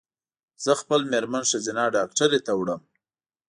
زه خپل مېرمن ښځېنه ډاکټري ته وړم